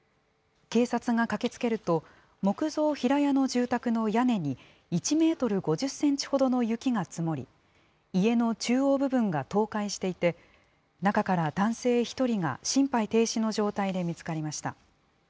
警察が駆けつけると、木造平屋の住宅の屋根に、１メートル５０センチほどの雪が積もり、家の中央部分が倒壊していて、中から男性１人が心肺停止の状態で見つかりました。